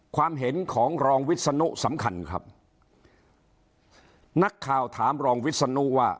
ความเห็นของรองวิศนุสำคัญครับนักข่าวถามรองวิศนุว่า